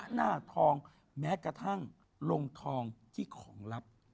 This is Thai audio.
หน้าทองแม้กระทั่งลงทองที่ของลับ